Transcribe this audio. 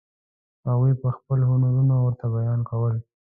هغوی به خپل هنرونه ورته بیان کول.